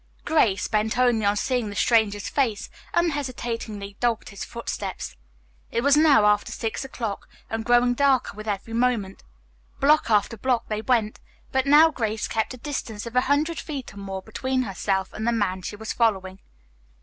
Grace, bent only on seeing the stranger's face, unhesitatingly dogged his footsteps. It was now after six o 'clock and growing darker with every moment. Block after block they went, but now Grace kept a distance of a hundred feet or more between herself and the man she was following.